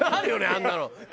あんなの。